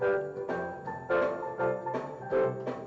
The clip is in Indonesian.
terima kasih pak